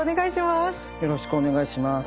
よろしくお願いします。